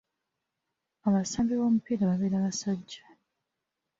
Abasambi b'omupiira babeera basajja.